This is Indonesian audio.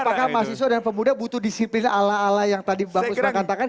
apakah mahasiswa dan pemuda butuh disiplin ala ala yang tadi bang husus mengatakan